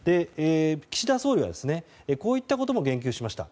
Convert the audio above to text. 岸田総理はこういったことも言及しました。